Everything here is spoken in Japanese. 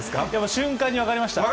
瞬間に分かりました。